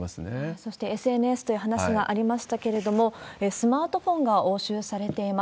そして、ＳＮＳという話がありましたけれども、スマートフォンが押収されています。